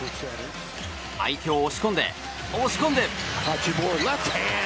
相手を押し込んで、押し込んで。